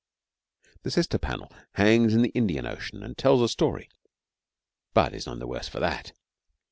The sister panel hangs in the Indian Ocean and tells a story, but is none the worse for that.